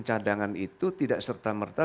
cadangan itu tidak serta merta